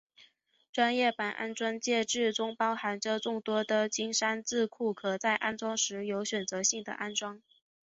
专业版安装介质中包含着众多的金山字库可在安装时有选择性的安装。